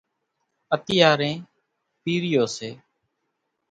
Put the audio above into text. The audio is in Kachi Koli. اتيارين پِيرِيو سي۔